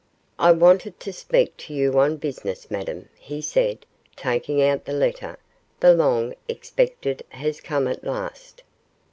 'I wanted to speak to you on business, Madame,' he said, taking out the letter; 'the long expected has come at last.